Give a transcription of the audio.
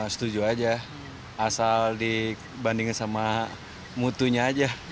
setuju aja asal dibandingin sama mutunya aja